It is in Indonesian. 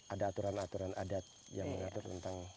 ada aturan aturan adat yang mengatur tentang